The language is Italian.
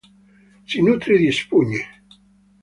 Si nutre di spugne.